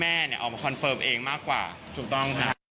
คือแม้ว่าจะมีการเลื่อนงานชาวพนักกิจแต่พิธีไว้อาลัยยังมีครบ๓วันเหมือนเดิม